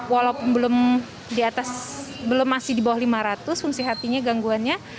walaupun belum di atas belum masih di bawah lima ratus fungsi hatinya gangguannya